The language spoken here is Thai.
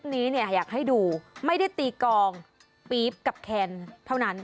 นี้เนี่ยอยากให้ดูไม่ได้ตีกองปี๊บกับแคนเท่านั้น